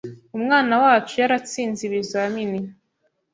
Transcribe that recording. umwana wacu yaratsinze ibizamini